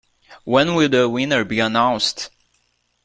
When will the winner be announced?